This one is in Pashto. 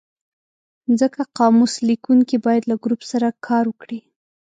ځکه قاموس لیکونکی باید له ګروپ سره کار وکړي.